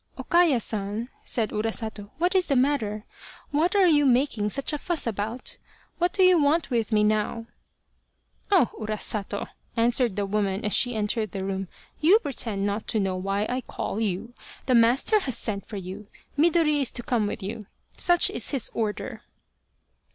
" O Kaya San," said Urasato, " what is the matter ? What are you making such a fuss about ? What do you want with me now ?"" Oh ! Urasato," answered the woman as she entered the room, " you pretend not to know why I call you. The master has sent for you Midori is to come with you such is his order